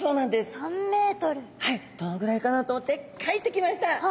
はいどのぐらいかなと思って描いてきました。